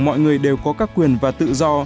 mọi người đều có các quyền và tự do